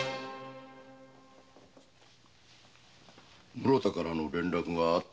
室田からの連絡があったか？